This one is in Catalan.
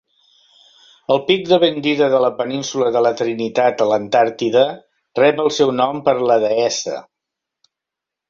El pic de Bendida de la Península de la Trinitat a l'Antàrtida rep el seu nom per la deessa.